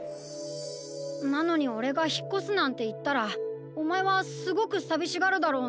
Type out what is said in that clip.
なのにオレがひっこすなんていったらおまえはすごくさびしがるだろうなって。